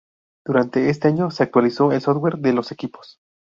Durante este año se actualizó el software de los equipos.